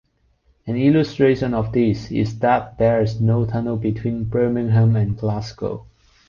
An illustration of this is that there is no tunnel between Birmingham and Glasgow.